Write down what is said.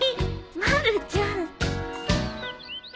まるちゃん。